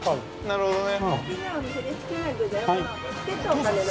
◆なるほどね。